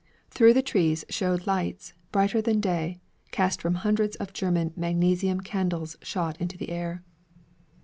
Through the trees showed lights, brighter than day, cast from hundreds of German magnesium candles shot into the air.